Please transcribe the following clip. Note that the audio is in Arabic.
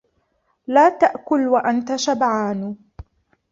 لَا تَأْكُلْ وَأَنْتَ شَبْعَانُ.